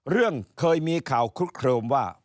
เรื่องเคยมีข่าวคลุกเคลิมว่า